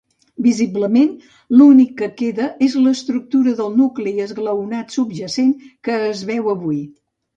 Visiblement, l'únic que queda és l'estructura del nucli esglaonat subjacent que es veu avui.